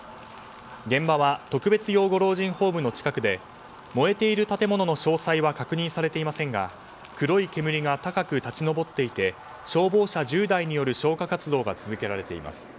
現場は特別養護老人ホームの近くで燃えている建物の詳細は確認されていませんが黒い煙が高く立ち上っていて消防車１０台による消火活動が続けられています。